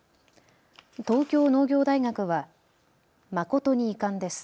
東京農業大学は誠に遺憾です。